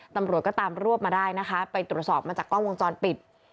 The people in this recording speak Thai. ตำรวจก็ตามรวบมาได้นะคะไปตรวจสอบมาจากกล้องวงจรปิด